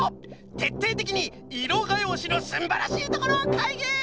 てっていてきにいろがようしのすんばらしいところかいぎ！